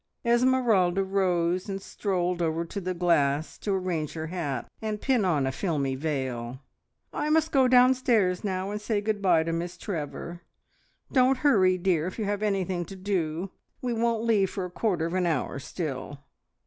Esmeralda rose and strolled over to the glass to arrange her hat and pin on a filmy veil. "I must go downstairs now, and say good bye to Miss Trevor. Don't hurry, dear, if you have anything to do. We don't leave for a quarter of an hour still."